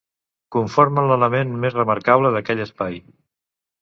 Conformen l'element més remarcable d'aquell espai.